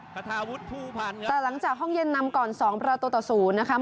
คแต่หลังจากห้องเย็นนำก่อนสองประตูต่อ๐นะคะ